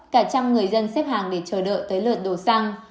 cả trăm người dân xếp hàng để chờ đợi tới lượt đồ xăng